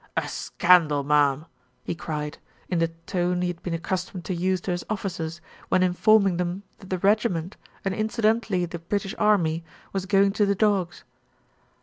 "A scandal, marm !" he cried, in the tone he had been accustomed to use to his officers when informing them that the regiment, and incidentally the British army, was going to the dogs.